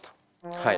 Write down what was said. はい。